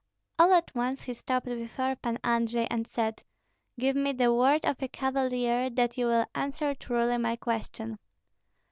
All at once he stopped before Pan Andrei, and said, "Give me the word of a cavalier that you will answer truly my question."